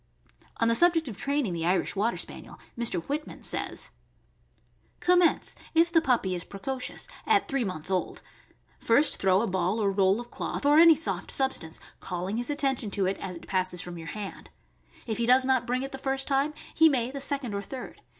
On the subject of training the Irish Water Spaniel, Mr. Whitman says: Commence — if the puppy is precocious— at three months ,old. First throw a ball or roll of cloth, or any soft substance, calling his attention to it as it passes from }~our hand; if he does not bring it the first time, he may the second or third.